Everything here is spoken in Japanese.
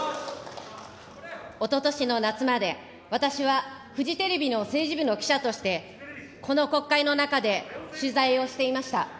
おととしの夏まで、私はフジテレビの政治部の記者として、この国会の中で取材をしていました。